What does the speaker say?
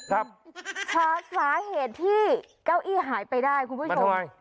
หาสาเหตุที่เก้าอี้หายไปได้คุณผู้ชม